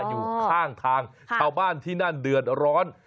อยู่ข้างทางชาวบ้านที่นั่นเดือดร้อน